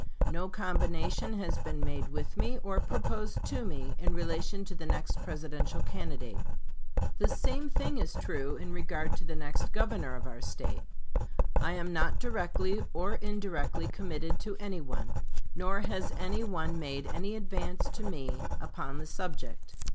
No combination has been made with me, or proposed to me, in relation to the next Presidential candidate. The same thing is true in regard to the next Governor of our State. I am not directly or indirectly committed to any one; nor has any one made any advance to me upon the subject.